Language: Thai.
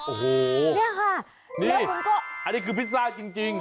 โอ้โฮนี่ค่ะแล้วคุณก็อันนี้คือพิซซ่าจริง